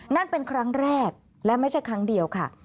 นั่นเป็นครั้งแรกและไม่ใช่ครั้งเดียวค่ะ